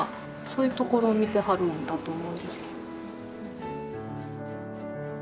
そういうところを見てはるんだと思うんですけど。